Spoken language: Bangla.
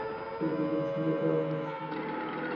সেভিয়ার-দম্পতি সিমলাতে আছেন, আর মিস মূলার এখানে আলমোড়ায়।